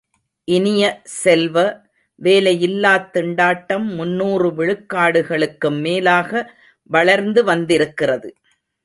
இனிய செல்வ, வேலையில்லாத் திண்டாட்டம் முன்னூறு விழுக்காடுக்கும் மேலாக வளர்ந்து வந்திருக்கிறது.